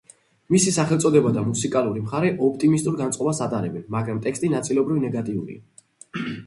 მისი სახელწოდება და მუსიკალური მხარე ოპტიმისტურ განწყობას ატარებენ, მაგრამ ტექსტი ნაწილობრივ ნეგატიურია.